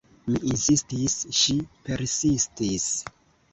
Mi insistis; ŝi persistis.